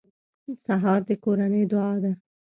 سهار د کورنۍ دعا ده.